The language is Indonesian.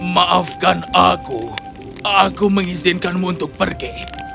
maafkan aku aku mengizinkanmu untuk pergi